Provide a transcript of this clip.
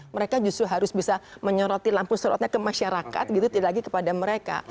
mereka justru harus bisa menyoroti lampu sorotnya ke masyarakat gitu tidak lagi kepada mereka